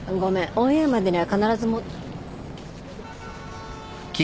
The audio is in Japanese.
オンエアまでには必ずも。